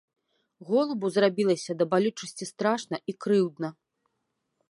Голубу зрабілася да балючасці страшна і крыўдна.